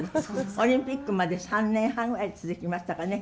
オリンピックまで３年半ぐらい続きましたかね。